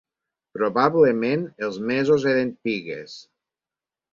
Probablement els mesos eren pigues.